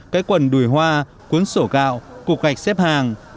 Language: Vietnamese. cái quần đùi hoa cuốn sổ gạo cục gạch xếp hàng